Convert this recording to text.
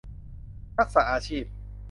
ทักษะอาชีพ